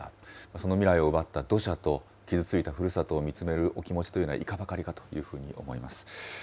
その未来を奪った土砂と傷ついたふるさとを見つめるお気持ちというのは、いかばかりかというふうに思います。